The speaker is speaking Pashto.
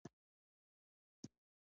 په قلم د تاریخ پاڼې لیکل کېږي.